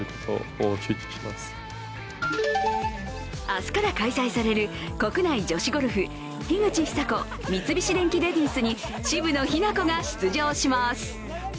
明日から開催される国内女子ゴルフ樋口久子三菱電機レディスに渋野日向子が出場します。